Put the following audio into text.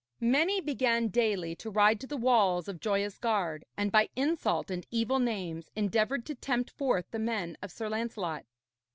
Many began daily to ride to the walls of Joyous Gard, and by insult and evil names endeavoured to tempt forth the men of Sir Lancelot.